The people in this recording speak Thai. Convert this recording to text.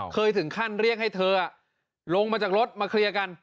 เคยถึงขั้นเรียกให้เธอลงมาจากรถมาเคลียร์กัน